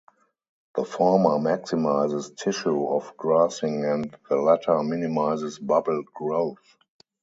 The former maximises tissue off-gassing and the latter minimises bubble growth.